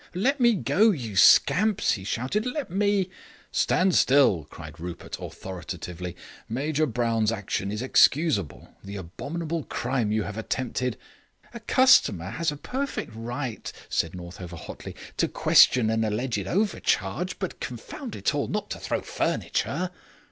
"Let me go, you scamps," he shouted. "Let me " "Stand still," cried Rupert authoritatively. "Major Brown's action is excusable. The abominable crime you have attempted " "A customer has a perfect right," said Northover hotly, "to question an alleged overcharge, but, confound it all, not to throw furniture."